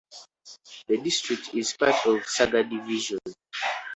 The district is part of Sagar Division.